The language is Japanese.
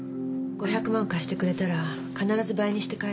５００万貸してくれたら必ず倍にして返すって。